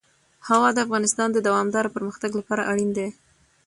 هوا د افغانستان د دوامداره پرمختګ لپاره اړین دي.